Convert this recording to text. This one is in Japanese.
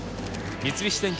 三菱電機